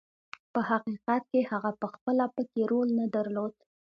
په حقیقت کې هغه پخپله پکې رول نه درلود.